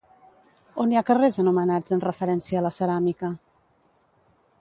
On hi ha carrers anomenats en referència a la ceràmica?